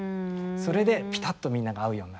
それでピタッとみんなが合うようになる。